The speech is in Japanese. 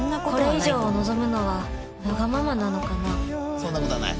そんな事はない？